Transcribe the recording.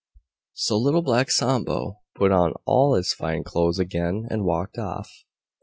So Little Black Sambo put on all his fine clothes again and walked off.